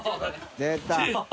出た。